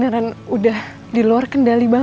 iya silahkan pak jen